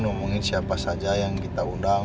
ngomongin siapa saja yang kita undang